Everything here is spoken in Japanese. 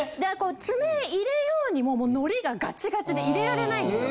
爪入れようにももう糊がガチガチで入れられないんですよ。